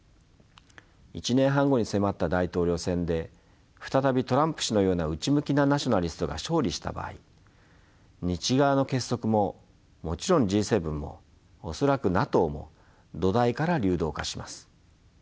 １年半後に迫った大統領選で再びトランプ氏のような内向きなナショナリストが勝利した場合西側の結束ももちろんＧ７も恐らくＮＡＴＯも土台から流動化します。